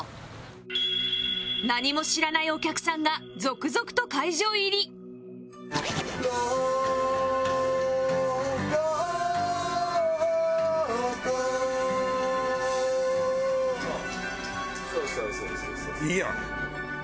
何も知らないお客さんが続々と会場入り「ロボット」いいやん！